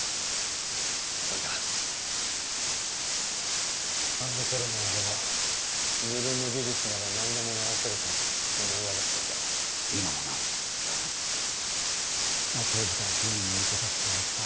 それではあの頃の俺は自分の技術なら何でも治せると思い上がっていた今もなハハま当時から群抜いてたってわけか